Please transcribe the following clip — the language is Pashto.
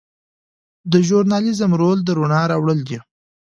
د ژورنالیزم رول د رڼا راوړل دي.